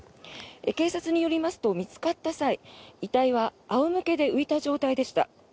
警察によりますと見つかった際遺体は仰向けで浮いた状態でした。